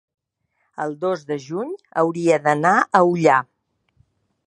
el dos de juny hauria d'anar a Ullà.